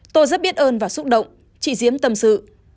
tôi rất biết ơn và xúc động chị diễm tâm sự